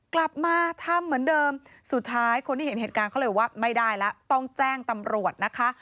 กลับมาทำเหมือนเดิมสุดท้ายคนที่เห็นเหตุการณ์เขาเลยว่าไม่ได้แล้วต้องแจ้งตำรวจนะคะ